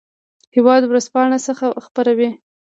هیواد ورځپاڼه څه خپروي؟